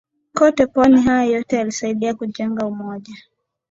kote pwani Haya yote yalisaidia kujenga umoja